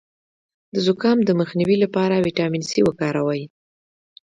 د زکام د مخنیوي لپاره ویټامین سي وکاروئ